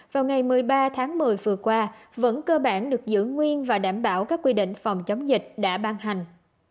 vào ngày một mươi ba tháng một mươi vừa qua vẫn cơ bản được giữ nguyên và đảm bảo các quy định phòng chống dịch đã ban hành